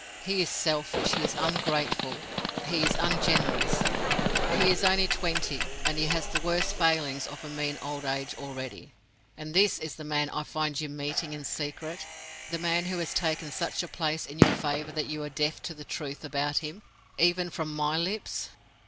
He is selfish, he is ungrateful, he is ungenerous—he is only twenty, and he has the worst failings of a mean old age already. And this is the man I find you meeting in secret—the man who has taken such a place in your favor that you are deaf to the truth about him, even from my lips!